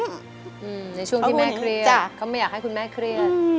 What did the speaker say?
ในช่วงที่แม่เครียดเขาไม่อยากให้คุณแม่เครียด